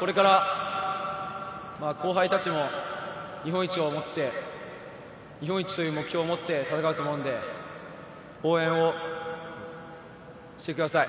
これから後輩達も日本一をもって、日本一という目標を持って戦うと思うので、応援をしてください。